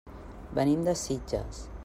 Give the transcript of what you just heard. Venim de Sitges.